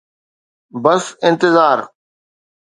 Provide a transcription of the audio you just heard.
بس انتظار.